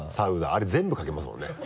あれ全部かけますもんね。